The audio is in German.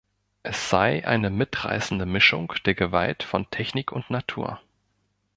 Es sei eine mitreißende Mischung der Gewalt von Technik und Natur.